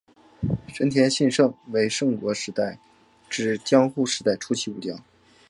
真田信胜为战国时代至江户时代初期武将。